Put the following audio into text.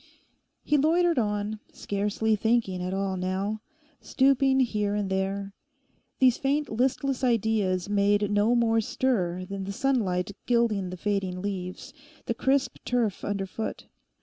He loitered on, scarcely thinking at all now, stooping here and there. These faint listless ideas made no more stir than the sunlight gilding the fading leaves, the crisp turf underfoot.